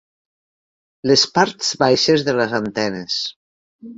Les parts baixes de les antenes.